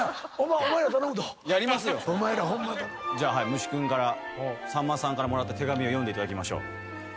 むし君からさんまさんからもらった手紙を読んでいただきましょう。